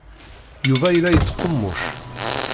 Yuba yella yettqummuc.